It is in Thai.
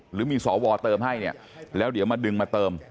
หรือมีสวเติมให้เนี่ยแล้วเดี๋ยวมาดึงมาเติม